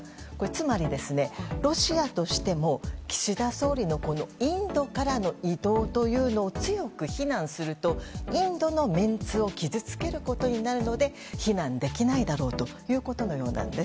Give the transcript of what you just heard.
つまり、ロシアとしても岸田総理のインドからの移動を強く非難するとインドのメンツを傷つけることになるので非難できないだろうということのようなんです。